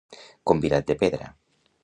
Convidat de pedra.